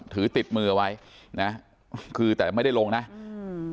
ถือติดมือเอาไว้นะคือแต่ไม่ได้ลงนะอืม